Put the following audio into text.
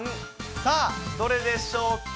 さあ、どれでしょうか。